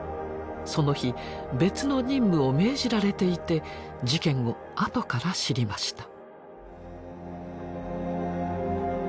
その日別の任務を命じられていて事件をあとから知りました。